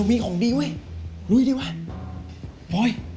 บอกแล้วไงให้กลับ